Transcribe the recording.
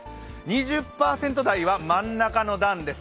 ２０％台は真ん中の段です。